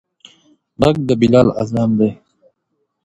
غږ د بلال اذان دی